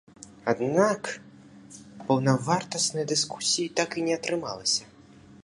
Аднак паўнавартаснай дыскусіі так і не атрымалася.